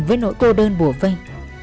với nỗi cô đơn bùa vây